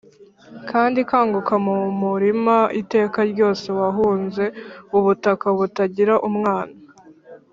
kandi kanguka mumurima iteka ryose wahunze ubutaka butagira umwana.